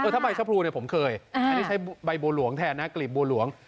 ถ้าใบชะพรูเนี่ยผมเคยอันนี้ใช้ใบบัวหลวงแทนนะกลีบบัวหลวง